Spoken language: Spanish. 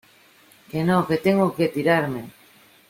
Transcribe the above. que no, que tengo que tirarme.